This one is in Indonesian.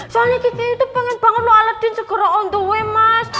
soalnya gigi itu pengen banget lo aletin segera on the way mas